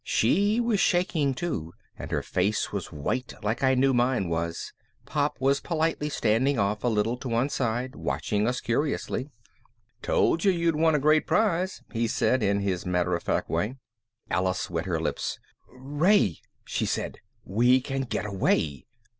She was shaking too and her face was white like I knew mine was. Pop was politely standing off a little to one side, watching us curiously. "Told you you'd won a real prize," he said in his matter of fact way. Alice wet her lips. "Ray," she said, "we can get away."